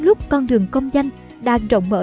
lúc con đường công danh đang rộng mở